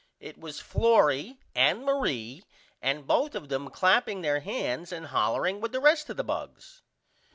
It was Florrie and Marie and both of them claping there hands and hollering with the rest of the bugs.